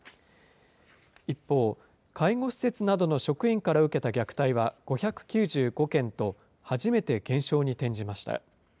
一方、介護施設などの職員から受けた虐待は５９５件と、初めて減少に転じました。